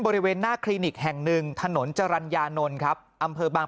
บริเวณหน้าคลินิกแห่งหนึ่งถนนจรรยานนท์ครับอำเภอบาง